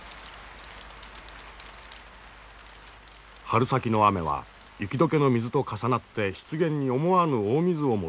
春先の雨は雪解けの水と重なって湿原に思わぬ大水をもたらす。